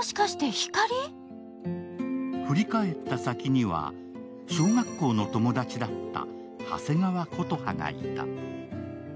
振り返った先には小学校の友達だった長谷川琴葉がいた。